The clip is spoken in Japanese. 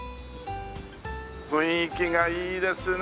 雰囲気がいいですね